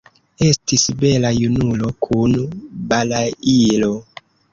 Estis bela junulo kun balailo.